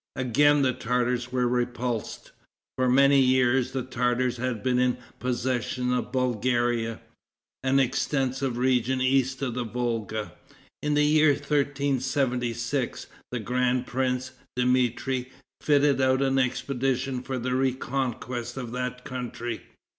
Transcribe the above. Again the Tartars were repulsed. For many years the Tartars had been in possession of Bulgaria, an extensive region east of the Volga. In the year 1376, the grand prince, Dmitri, fitted out an expedition for the reconquest of that country.